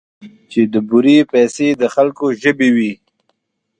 چې د بورې پسې د خلکو ژبې وې.